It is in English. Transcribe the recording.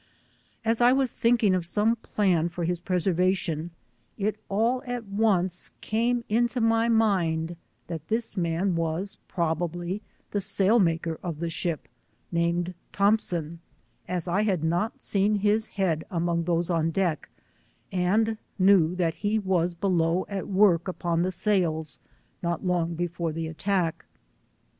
As I was thinking of some plan for his preserva tion, it all at once came into my mind that this man was probably th« sail maker of the ship, named Thompson, as I had not seen his head among those on deck and knew that he was below at work upon sails not long before the attack.